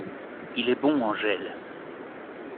Il est bon Angèle .